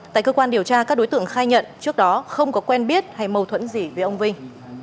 tại cơ quan điều tra các đối tượng khai nhận trước đó không có quen biết hay mâu thuẫn gì với ông vinh